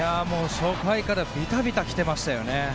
初回からビタビタ来てましたよね。